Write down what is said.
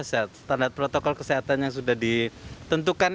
standar protokol kesehatan yang sudah ditentukan